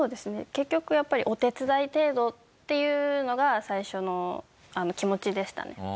結局やっぱりお手伝い程度っていうのが最初の気持ちでしたね。